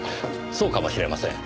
そうかもしれません。